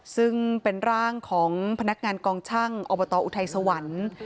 ซึ่งเป็นร่างของพนักงานกองช่างอบตอุทัยสวรรค์